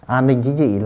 an ninh chính trị